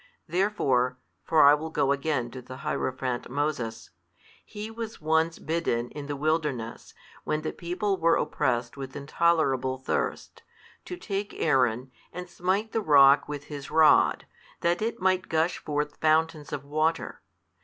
Therefore (for I will go again to the hierophant Moses) he was once bidden, in the wilderness, when the people were oppressed with intolerable thirst, to take Aaron, and smite the rock with his rod, that it might gush forth fountains of water.